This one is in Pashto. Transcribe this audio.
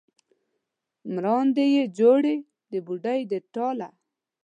مراندې یې جوړې د بوډۍ د ټاله